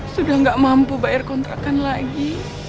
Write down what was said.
sudah nggak mampu bayar kontrakan lagi